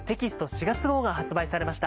４月号が発売されました。